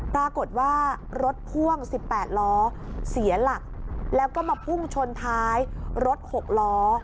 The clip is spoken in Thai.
ปรากฏว่ารถพ่วง๑๘ล้อเสียหลักแล้วก็มาพุ่งชนท้ายรถ๖ล้อ